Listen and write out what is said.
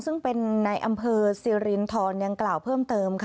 ซึ่งเป็นในอำเภอสิรินทรยังกล่าวเพิ่มเติม